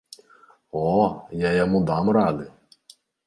О, я яму дам рады!